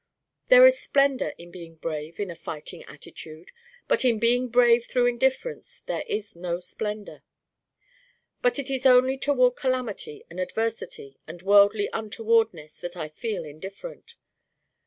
There is splendor in being brave in a fighting attitude, but in being brave through indifference there is no splendor. But it is only toward calamity and adversity and worldly untowardness that I feel indifferent.